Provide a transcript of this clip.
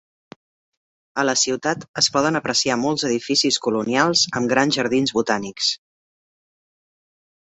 A la ciutat es poden apreciar molts edificis colonials amb grans jardins botànics.